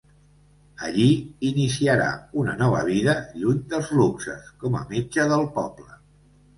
Allí iniciarà una nova vida, lluny dels luxes, com a metge del poble.